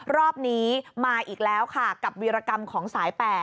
รอบนี้มาอีกแล้วค่ะกับวีรกรรมของสาย๘